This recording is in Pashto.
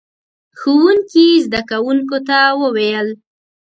ښوونکي زده کوونکو ته وويل: